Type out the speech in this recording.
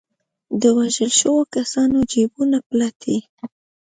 د وژل شوو کسانو جېبونه پلټي.